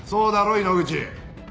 井ノ口！